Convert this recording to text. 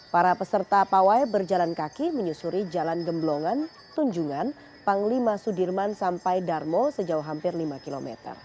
para peserta pawai berjalan kaki menyusuri jalan gemblongan tunjungan panglima sudirman sampai darmo sejauh hampir lima km